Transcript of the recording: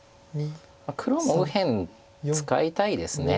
黒も右辺使いたいです